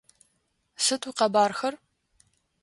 Сыд уикъэбархэ?